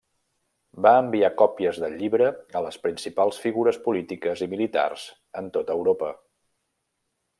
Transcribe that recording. Va enviar còpies del llibre a les principals figures polítiques i militars en tot Europa.